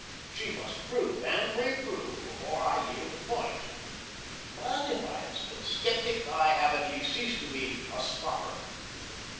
She must prove and re prove before I yield a point. But if I am still a sceptic, I have at least ceased to be a scoffer.